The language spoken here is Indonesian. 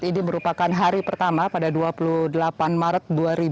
ini merupakan hari pertama pada dua puluh delapan maret dua ribu dua puluh